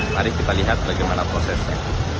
mari kita lihat bagaimana prosesnya